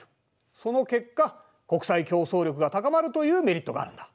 その結果国際競争力が高まるというメリットがあるんだ。